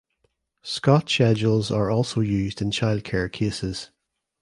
Scott schedules are also used in child care cases.